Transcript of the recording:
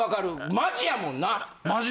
マジやもんな。